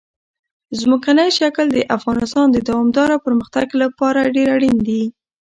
ځمکنی شکل د افغانستان د دوامداره پرمختګ لپاره ډېر اړین دي.